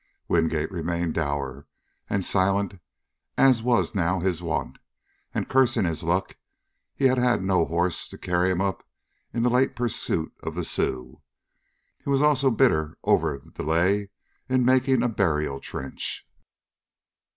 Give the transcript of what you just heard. Wingate remained dour and silent as was now his wont, and cursing his luck that he had had no horse to carry him up in the late pursuit of the Sioux. He also was bitter over the delay in making a burial trench.